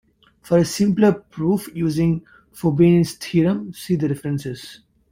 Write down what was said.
For a simpler proof using Fubini's theorem, see the references.